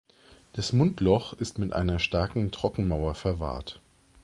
Das Mundloch ist mit einer starken Trockenmauer verwahrt.